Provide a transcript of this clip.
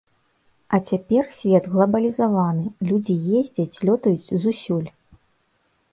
А цяпер свет глабалізаваны, людзі ездзяць, лётаюць зусюль.